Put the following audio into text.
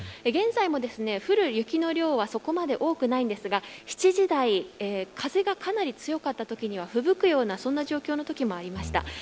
現在も降る雪の量はそこまで多くないんですが７時台風が、かなり強かったときにはふぶくような状況のときもありました。